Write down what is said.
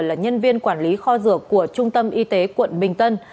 là nhân viên quản lý kho rửa của trung tâm y tế quận bình tân